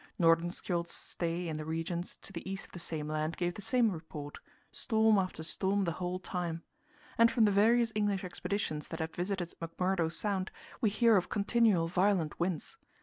Nordenskjöld's stay in the regions to the east of the same land gave the same report storm after storm the whole time. And from the various English expeditions that have visited McMurdo Sound we hear of continual violent winds.